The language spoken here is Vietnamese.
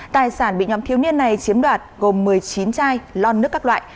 tài sản bị nhóm thiếu niên này chiếm đoạt gồm một mươi chín chai lon nước các loại